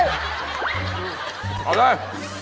เอาหน่อย